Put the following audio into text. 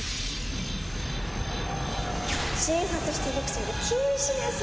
診察室ボクシング禁止です！